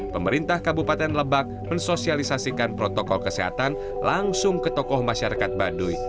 pemerintah kabupaten lebak mensosialisasikan protokol kesehatan langsung ke tokoh masyarakat baduy